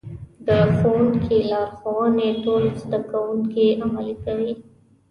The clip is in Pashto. د ښوونکي لارښوونې ټول زده کوونکي عملي کوي.